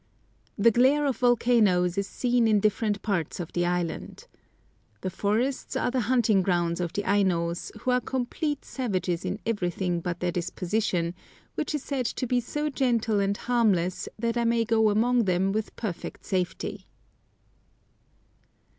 The glare of volcanoes is seen in different parts of the island. The forests are the hunting grounds of the Ainos, who are complete savages in everything but their disposition, which is said to be so gentle and harmless that I may go among them with perfect safety.